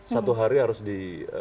satu hari harus di